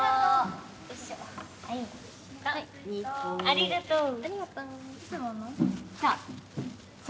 ありがとう。